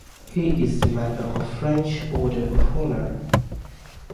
He is the member of French Order of Honour.